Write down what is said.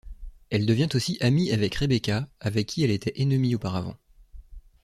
Elle devient aussi amie avec Rebekah, avec qui elle était ennemie auparavant.